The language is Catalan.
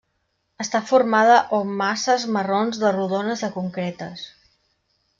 Està formada om masses marrons de rodones a concretes.